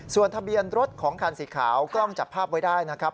ส่วนทะเบียนรถของคันสีขาวกล้องจับภาพไว้ได้นะครับ